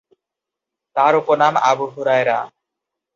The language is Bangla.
তার উপনাম আবু হুরায়রা।